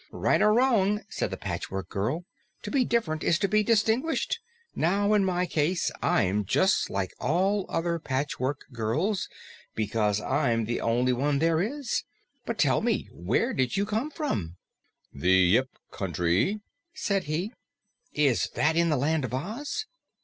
"Right or wrong," said the Patchwork Girl, "to be different is to be distinguished. Now in my case, I'm just like all other Patchwork Girls because I'm the only one there is. But tell me, where did you come from?" "The Yip Country," said he. "Is that in the Land of Oz?"